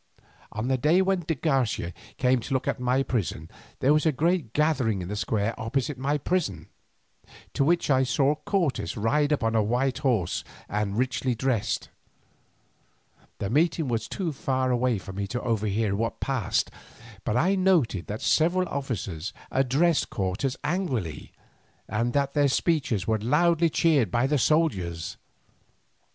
On the day when de Garcia came to look at my prison there was a great gathering in the square opposite my prison, to which I saw Cortes ride up on a white horse and richly dressed. The meeting was too far away for me to overhear what passed, but I noted that several officers addressed Cortes angrily, and that their speeches were loudly cheered by the soldiers.